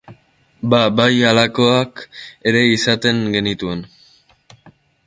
Ba bai, halakoak ere izaten genituen.